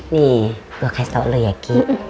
nih gue kasih tau lu ya ki